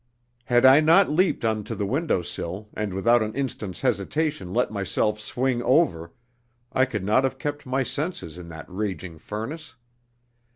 Had I not leaped on to the window sill, and without an instant's hesitation let myself swing over, I could not have kept my senses in that raging furnace.